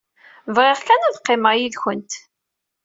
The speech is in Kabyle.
Bɣiɣ kan ad qqimeɣ yid-went.